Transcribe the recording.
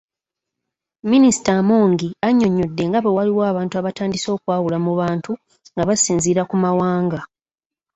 Minisita Amongi annyonnyodde nga bwewaliwo abantu abatandise okwawula mu bantu nga basinziira ku mawanga.